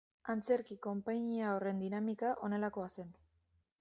Antzerki konpainia horren dinamika honelakoa zen.